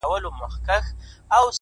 څوک چي له گلاب سره ياري کوي